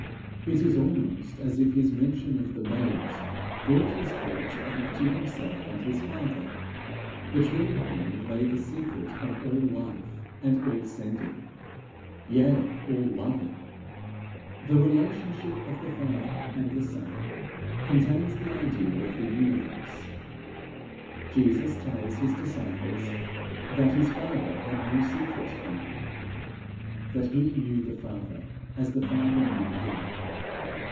It is almost as if his mention of the babes brought his thoughts back to himself and his father, between whom lay the secret of all life and all sending yea, all loving. The relation of the Father and the Son contains the idea of the universe. Jesus tells his disciples that his father had no secrets from him; that he knew the Father as the Father knew him.